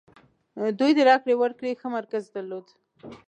دوی د راکړې ورکړې ښه مرکز درلود.